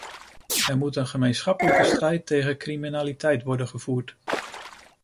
Er moet een gemeenschappelijke strijd tegen criminaliteit worden gevoerd.